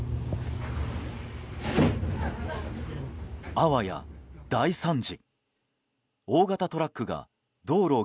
あわや大惨事。